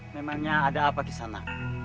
memangnya ada apa di sana